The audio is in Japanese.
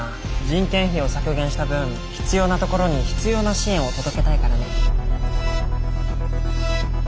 人件費を削減した分必要なところに必要な支援を届けたいからね。